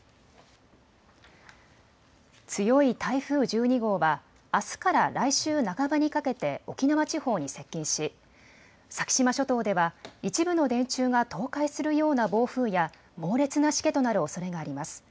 強い台風１２号はあすから来週半ばにかけて沖縄地方に接近し、先島諸島では一部の電柱が倒壊するような暴風や猛烈なしけとなるおそれがあります。